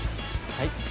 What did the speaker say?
はい。